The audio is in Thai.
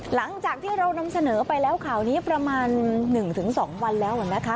หลังจากที่เรานำเสนอไปแล้วข่อนี้ประมาณหนึ่งถึงสองวันแล้วนะคะ